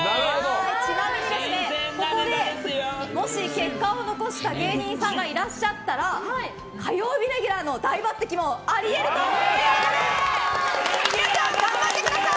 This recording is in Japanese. ちなみに、ここでもし結果を残した芸人さんがいらっしゃったら火曜日レギュラーの大抜擢もあり得るということで皆さん、頑張ってください！